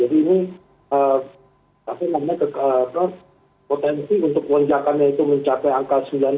pasti namanya potensi untuk wajahannya itu mencapai angka sembilan puluh atau diatas sembilan puluh